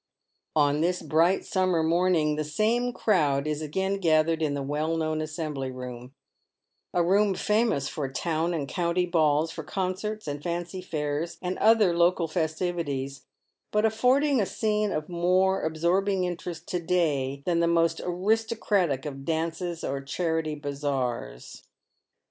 On this bright summer morning the same crowd is again gathered in the well known assembly room — a room famous for town and county balls, for concerts, and fancy fairs, and other local festivities, but affording a scene of more absorbing interest to day than the most aristocratic of dances or charity bazaars.